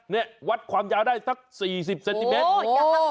นี่วัดความยาวได้สัก๔๐เซนติเมตร